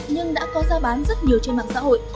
nhưng đã có ra bán rất nhiều trên mạng xã hội